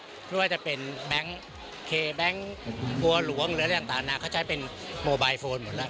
ไม่ว่าจะเป็นแบงค์เคแบงค์บัวหลวงหรืออะไรต่างเขาใช้เป็นโมบายโฟนหมดแล้ว